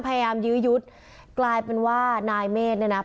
พยายามยื้อยุดไกลเป็นว่านายเมฆน่ะ๘๙